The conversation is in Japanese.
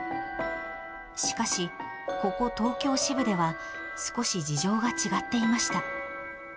しかし、ここ東京支部では、少し事情が違っていました。